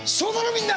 みんな！